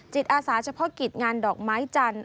จิตอาสาเฉพาะกิจงานดอกไม้จันทร์